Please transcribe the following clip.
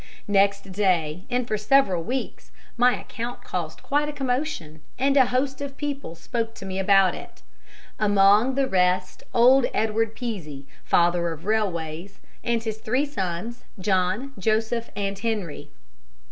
Next day, and for several weeks, my account caused quite a commotion, and a host of people spoke to me about it; among the rest old Edward Pease, father of railways, and his three sons, John, Joseph, and Henry.